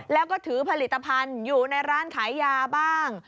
แล้วก็ถือผลิตภัณฑ์อยู่ในร้านขายยาบ้าง